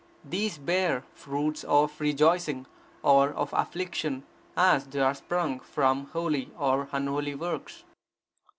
These bear fruits of rejoicing, or of affliction, as they are sprung from holy or unholy works.